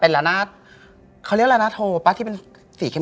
เป็นละนาเขาเรียกละนาโทปะที่เป็นสีเข้มอะ